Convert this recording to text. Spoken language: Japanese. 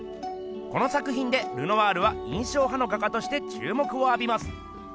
この作ひんでルノワールは印象派の画家としてちゅうもくをあびます。